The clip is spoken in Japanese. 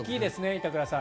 板倉さん。